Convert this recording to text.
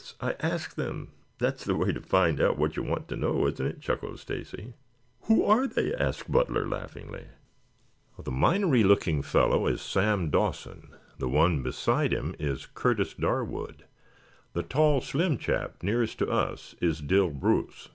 I asked them. That's the way to find out what you want to know, isn't it?" chuckled Stacy. "Who are they?" asked Butler laughingly. "The minery looking fellow is Sam Dawson. The one beside him is Curtis Darwood. The tall, slim chap nearest to us is Dill Bruce.